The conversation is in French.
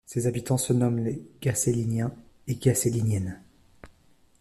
Ses habitants se nomment les Gaceliniens et Gaceliniennes.